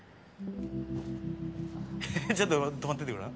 ハハハちょっと止まっててごらん。